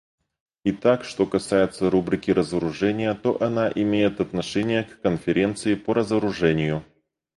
Итак, что касается рубрики разоружения, то она имеет отношение к Конференции по разоружению.